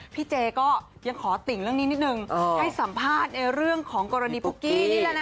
เจก็ยังขอติ่งเรื่องนี้นิดนึงให้สัมภาษณ์ในเรื่องของกรณีปุ๊กกี้นี่แหละนะ